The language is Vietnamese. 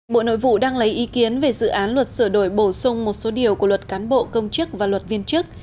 bộ nội vụ đang lấy ý kiến về dự án luật sửa đổi bổ sung một số điều của luật cán bộ công chức và luật viên chức